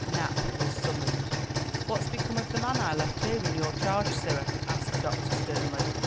Nap was summoned. "What's become of the man I left here in your charge, sirrah?" asked the doctor sternly.